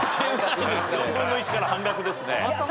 ４分の１から半額ですね。